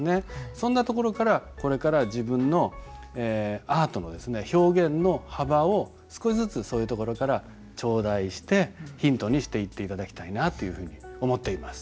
そんなところからこれから自分のアートの表現の幅を少しずつそういうところから頂戴してヒントにしていって頂きたいなというふうに思っています。